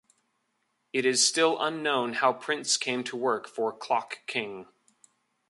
It is still unknown how Prince came to work for Clock King.